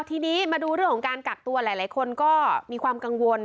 ทีนี้มาดูเรื่องของการกักตัวหลายคนก็มีความกังวล